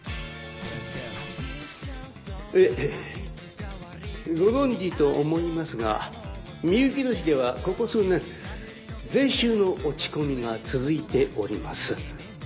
えご存じと思いますがみゆきの市ではここ数年税収の落ち込みが続いております。